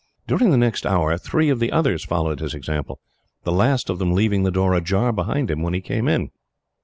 During the next hour, three of the others followed his example, the last of them leaving the door ajar behind him, when he came in.